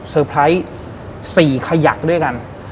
เซอร์ไพรส์๔ขยักด้วยกัน